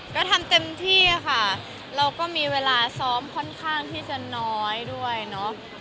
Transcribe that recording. ก็ทำเต็มที่ค่ะเราก็มีเวลาซ้อมค่อนข้างที่จะน้อยด้วยเนาะ